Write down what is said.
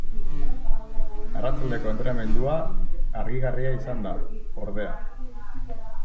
Arratsaldeko entrenamendua argigarria izan da, ordea.